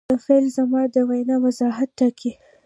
د فعل زمان د وینا وضاحت ټاکي.